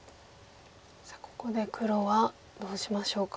さあここで黒はどうしましょうか。